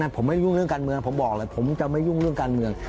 ผมไม่ยุ่งเรื่องการเมืองผมบอกเลยผมจะไม่ยุ่งเรื่องการเมือง